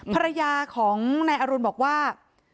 ภรรยาของนายอรุณบอกว่า